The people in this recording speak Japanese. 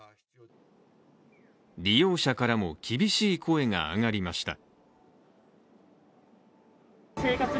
利用者からも厳しい声が上がりました。